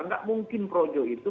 tidak mungkin projo itu